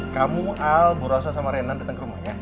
kamu al burosa sama renan datang ke rumahnya